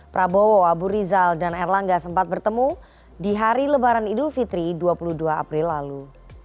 prabowo abu rizal dan erlangga sempat bertemu di hari lebaran idul fitri dua puluh dua april lalu